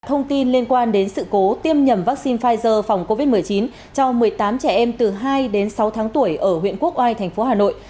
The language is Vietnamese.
thông tin liên quan đến sự cố tiêm nhầm vaccine pfizer phòng covid một mươi chín cho một mươi tám trẻ em từ hai đến sáu tháng tuổi ở huyện quốc oai thành phố hà nội